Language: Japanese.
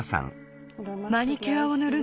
マニキュアをぬるの？